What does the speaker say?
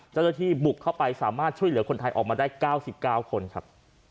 เจ้าหน้าที่บุกเข้าไปสามารถช่วยเหลือคนไทยออกมาได้๙๙คนครับ